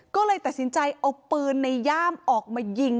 ก็เลยตัดสินใจเอาปืนในย่ามออกมายิง